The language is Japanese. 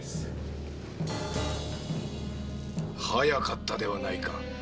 早かったではないか。